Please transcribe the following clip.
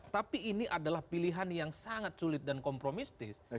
tapi ini adalah pilihan yang sangat sulit dan kompromistis